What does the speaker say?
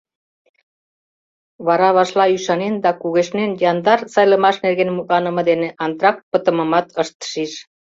Вара вашла ӱшанен да кугешнен яндар сайлымаш нерген мутланыме дене антракт пытымымат ышт шиж.